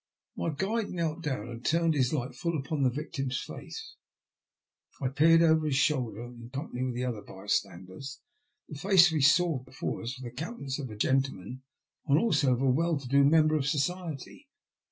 My guide knelt down, and turned his light full upon the victim's face. I peered over his shoulder in com pany with the other bystanders. The face we saw before us was the countenance of a gentleman, and also of a well to do member of society.